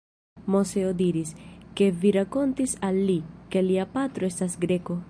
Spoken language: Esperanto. Moseo diris, ke vi rakontis al li, ke lia patro estas Greko.